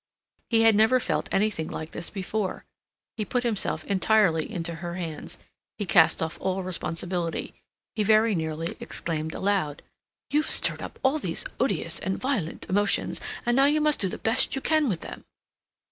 He had never felt anything like this before; he put himself entirely into her hands; he cast off all responsibility. He very nearly exclaimed aloud: "You've stirred up all these odious and violent emotions, and now you must do the best you can with them."